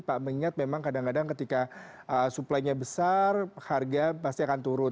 pak mengingat memang kadang kadang ketika suplainya besar harga pasti akan turun